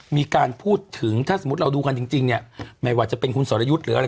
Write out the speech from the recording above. มีการพูดถึงถ้าสมมุติเราดูกันจริงเนี่ยไม่ว่าจะเป็นคุณสรยุทธ์หรืออะไร